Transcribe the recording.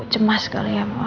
cemas sekali ya